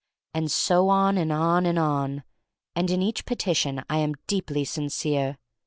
And so on and on and on. And in each petition I am deeply sincere.